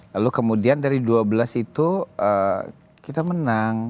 lalu kemudian dari dua belas itu kita menang